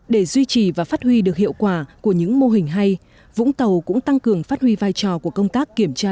để duy trì và phát huy được hiệu quả của những mô hình hay vũng tàu cũng tăng cường phát huy vai trò của công tác kiểm tra